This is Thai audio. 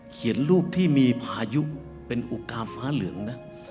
เขียนรูปที่มีพายุเป็นอุกาฟ้าเหลืองนะ